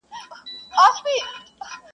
زلزله به یې په کور کي د دښمن سي-